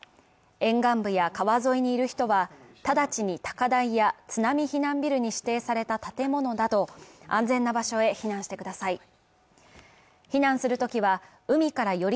沿岸部や川沿いにいる人は直ちに高台や津波避難ビルに指定された建物など安全な場所へ避難してください。